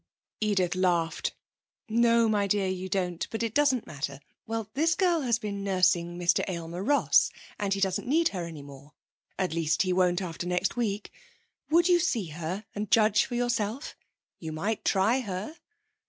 Edith laughed. 'No, my dear, you don't. But it doesn't matter. Well, this girl has been nursing Mr Aylmer Ross, and he doesn't need her any more at least he won't after next week. Would you see her and judge for yourself? You might try her.'